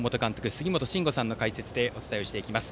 杉本真吾さんの解説でお伝えしていきます。